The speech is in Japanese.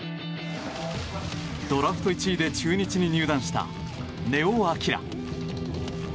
ドラフト１位で中日に入団した根尾昂。